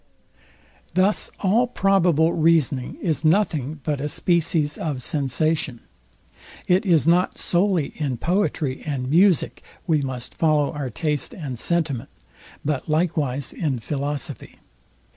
Thus all probable reasoning is nothing but a species of sensation. It is not solely in poetry and music, we must follow our taste and sentiment, but likewise in philosophy.